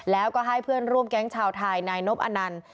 แล้วก็ให้เพื่อนร่วมแก๊งชาวไทยนายนบอนันต์